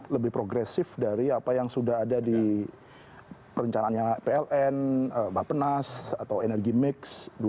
lebih progresif dari apa yang sudah ada di perencanaannya pln bapenas atau energi mix dua ribu dua puluh